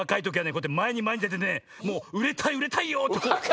こうやってまえにまえにでてねもううれたいうれたいよってこう。